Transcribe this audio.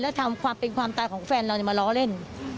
แล้วทำความเป็นความตายของแฟนเรามาล้อเล่น